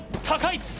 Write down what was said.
高い！